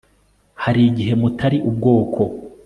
Hari igihe mutari ubwoko